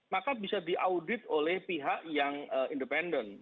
maka bisa diaudit oleh pihak yang independen